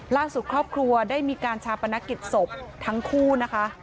ล่าสุดครอบครัวได้มีการชาปนกิจศพทั้งคู่นะคะ